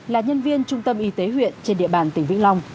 là nhân viên trung tâm y tế huyện trên địa bàn tỉnh vĩnh long